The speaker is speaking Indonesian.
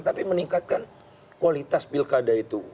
tapi meningkatkan kualitas pilkada itu